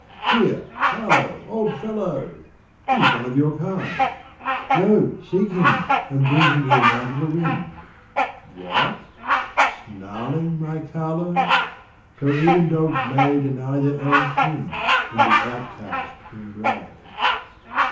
Here, Carlo, old fellow, he's one of your kind, Go, seek him, and bring him in out of the wind. What! snarling, my Carlo! So even dogs may Deny their own kin in the outcast in gray.